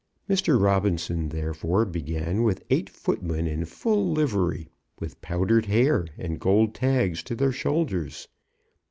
Mr. Robinson, therefore, began with eight footmen in full livery, with powdered hair and gold tags to their shoulders.